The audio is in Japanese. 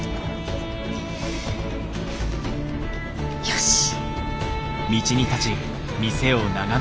よし。